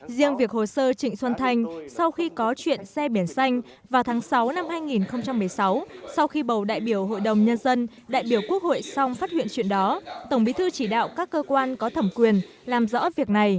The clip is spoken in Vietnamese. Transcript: riêng việc hồ sơ trịnh xuân thanh sau khi có chuyện xe biển xanh vào tháng sáu năm hai nghìn một mươi sáu sau khi bầu đại biểu hội đồng nhân dân đại biểu quốc hội xong phát hiện chuyện đó tổng bí thư chỉ đạo các cơ quan có thẩm quyền làm rõ việc này